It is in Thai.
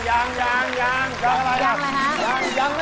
ยังอะไรนะยังไม่ช่วยเดินเขินอีกไม่ช่วยยังไง